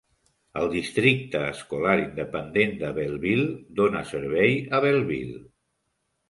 El Districte escolar independent de Bellville dóna servei a Bellville.